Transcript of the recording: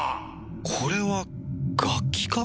これは楽器か？